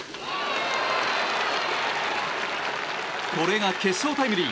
これが決勝タイムリー。